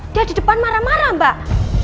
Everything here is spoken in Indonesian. dia di depan marah marah mbak